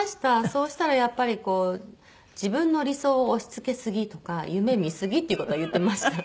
そうしたらやっぱりこう「自分の理想を押し付けすぎ」とか「夢見すぎ」っていう事は言ってました。